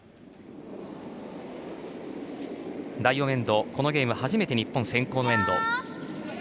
第４エンド、このゲーム初めて日本が先攻のエンド。